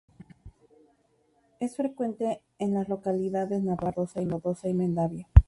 Es frecuente en las localidades navarras de Lodosa y Mendavia.